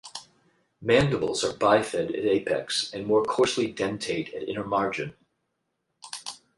Mandibles are bifid at apex and more coarsely dentate at inner margin.